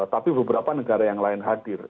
tapi beberapa negara yang lain hadir